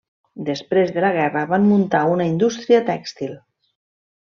Després de la guerra van muntar una indústria tèxtil.